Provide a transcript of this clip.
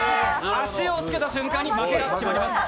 足をつけた瞬間に負けが決まります。